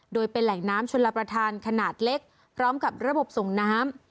โดยเป็นแหล่งน้ำชนลประธานขนาดเล็กพร้อมกับระบบส่งน้ำ